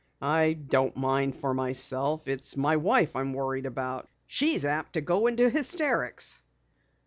I don't mind for myself. It's my wife I'm worried about. She's apt to go into hysterics."